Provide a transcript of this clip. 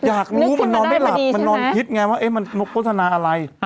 อยากรู้มันนอนไม่หลับมันนอนคิดไงว่ามันโฆษณาอะไร